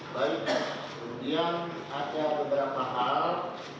baik kemudian ada beberapa hal